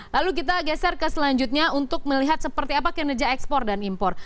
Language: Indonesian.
lalu kita geser ke selanjutnya untuk melihat seperti apa kinerja ekspor dan impor